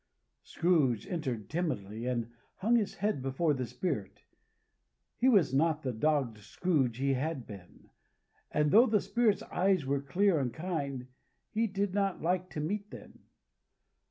Scrooge entered timidly, and hung his head before this Spirit. He was not the dogged Scrooge he had been; and though the Spirit's eyes were clear and kind, he did not like to meet them.